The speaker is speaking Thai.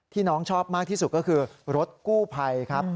น้องชอบมากที่สุดก็คือรถกู้ภัยครับ